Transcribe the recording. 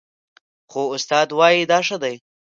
خو استاد وايي دا ښه دي